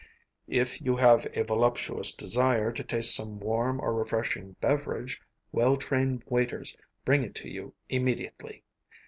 If you have a voluptuous desire to taste some warm or refreshing beverage, well trained waiters bring it to you immediately.